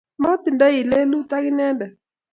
mating'doi lelut ak inendet